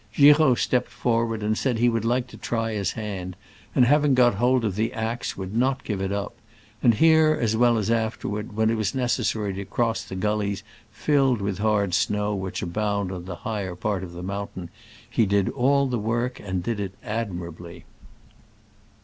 Giraud stepped forward and said he should like to try his hand, and having got hold of the axe, would not give it up ; and here, as well as afterward when it was necessary to cross the gullies filled with hard snow which abound on the higher part of the mountain, he did all the work, and did it admirably.